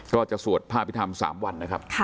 ก็จะสวดพระพิธรรม๓วันนะครับ